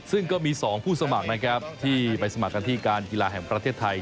ซึ่งก็มี๒ผู้สมัครนะครับที่ไปสมัครกันที่การกีฬาแห่งประเทศไทย